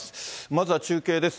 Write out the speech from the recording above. まずは中継です。